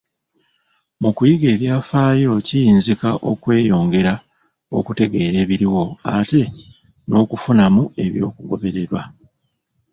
Mu kuyiga ebyafaayo kiyinzika okweyongera okutegeera ebiriwo, ate n'okufunamu eby'okugobererwa.